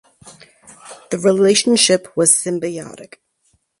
The relationship was symbiotic.